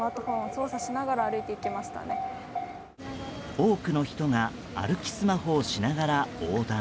多くの人が歩きスマホをしながら横断。